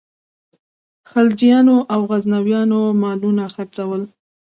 خلجیانو او غوزانو مالونه څرول.